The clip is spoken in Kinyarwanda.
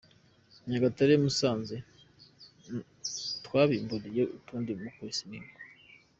Nyagatare na Musanze twabimburiye utundi mu kwesa imihigo.